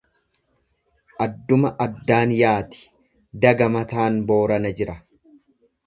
Addum addaan yaati daga mataan Boorana jira.